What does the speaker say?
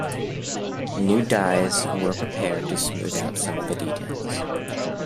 New dyes were prepared to smooth out some of the details.